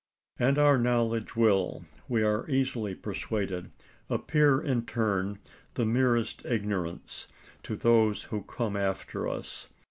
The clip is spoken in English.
And our knowledge will, we are easily persuaded, appear in turn the merest ignorance to those who come after us.